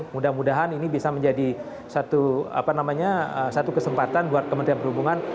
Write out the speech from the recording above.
mudah mudahan ini bisa menjadi satu kesempatan buat kementerian perhubungan